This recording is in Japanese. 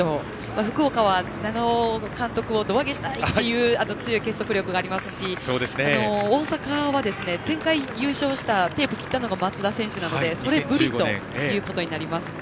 福岡は長尾監督を胴上げしたいという強い結束力がありますし大阪は前回優勝したのが和田選手なのでそれぶりとなりますね。